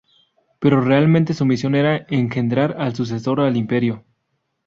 Pero realmente su misión era engendrar al sucesor al imperio.